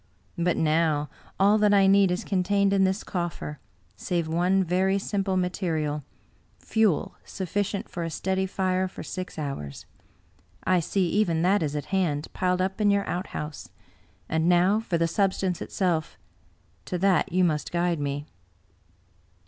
But now, all that I need is contained in this coffer, save one very simple material — fuel sufficient for a steady fire for six hours. I see even that is at hand, piled up in your outhouse. And now for the substance itself — ^to that you must guide me."